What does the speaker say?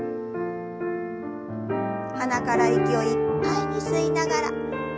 鼻から息をいっぱいに吸いながら腕を上に。